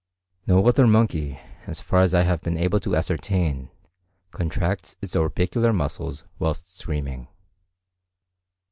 No other monkey, as far as I have been able to ascertain, contracts its orbicular muscles whilst screaming.